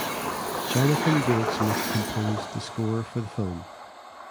Jonathan Goldsmith composed the score for the film.